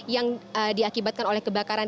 yang diakibatkan oleh kebakaran